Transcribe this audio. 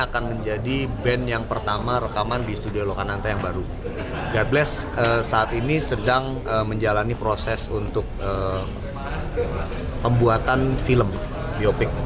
kita sedang menjalani proses untuk pembuatan film biopik